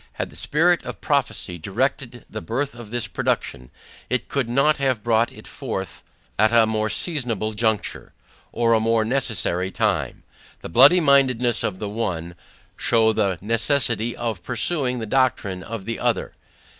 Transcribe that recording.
Had the spirit of prophecy directed the birth of this production, it could not have brought it forth, at a more seasonable juncture, or a more necessary time. The bloody mindedness of the one, shew the necessity of pursuing the doctrine of the other.